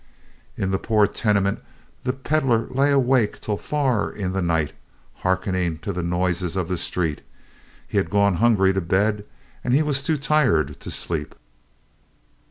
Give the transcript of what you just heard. In the poor tenement the peddler lay awake till far into the night, hearkening to the noises of the street. He had gone hungry to bed, and he was too tired to sleep.